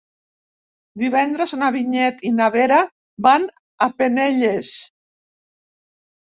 Divendres na Vinyet i na Vera van a Penelles.